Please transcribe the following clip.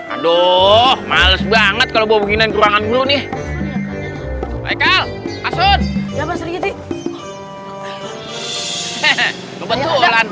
aduh males banget kalau begini kurangan dulu nih michael asyik ya pasti gitu